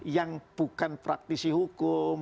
yang bukan praktisi hukum